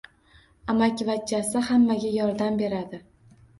Amakivachchasi hammaga yordam beradi.